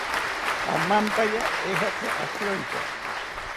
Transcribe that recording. Amampaya ejatzi ashirontya